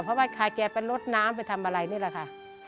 เพราะว่าใครแกไปลดน้ำไปทำอะไรนี่แหละค่ะ